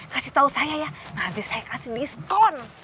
kasih tau saya ya nanti saya kasih diskon